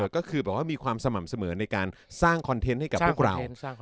ก็คือแบบว่ามีความสม่ำเสมอในการสร้างคอนเทนต์ให้กับพวกเรา